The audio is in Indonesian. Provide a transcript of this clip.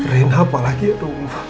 rena apa lagi ya tuh